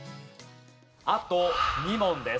あと２問です。